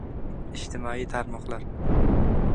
Ijtimoiy tarmoqlar.